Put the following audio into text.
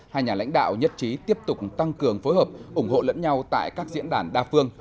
hai nhà lãnh đạo nhất trí tiếp tục tăng cường phối hợp ủng hộ lẫn nhau tại các diễn đàn đa phương